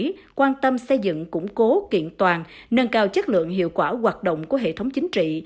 tỉnh quan tâm xây dựng củng cố kiện toàn nâng cao chất lượng hiệu quả hoạt động của hệ thống chính trị